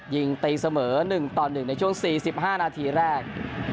ยิงตีเสมอ๑ต่อ๑ในช่วง๔๕นาทีแรก